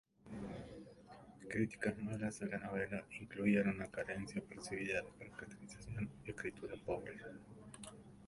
Críticas malas de la novela incluían una carencia percibida de caracterización y escritura pobre.